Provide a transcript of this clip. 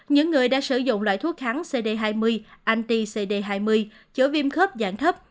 những người đã sử dụng loại thuốc kháng cd hai mươi anti cd hai mươi chữa viêm khớp dạng thấp